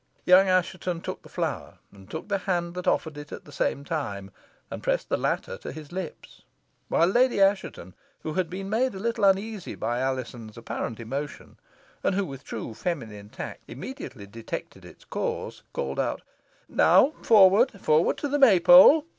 Young Assheton took the flower and took the hand that offered it at the same time, and pressed the latter to his lips; while Lady Assheton, who had been made a little uneasy by Alizon's apparent emotion, and who with true feminine tact immediately detected its cause, called out: "Now, forward forward to the May pole!